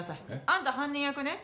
あんた犯人役ね